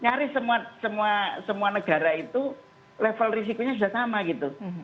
nyaris semua negara itu level risikonya sudah sama gitu